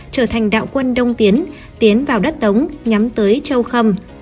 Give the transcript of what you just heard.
trở thành đạo quân đông tiến tiến vào đất tống nhắm tới châu khâm